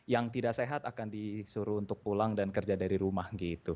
yang tidak sehat akan disuruh untuk pulang dan kerja dari rumah gitu